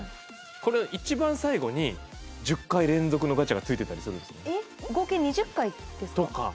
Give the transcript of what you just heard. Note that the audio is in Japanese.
これの一番最後に１０回連続のガチャがついてたりするんですよね。とか。